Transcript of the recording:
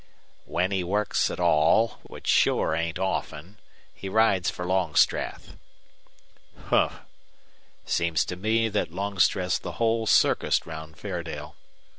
"When he works at all, which sure ain't often, he rides for Longstreth." "Humph! Seems to me that Longstreth's the whole circus round Fairdale.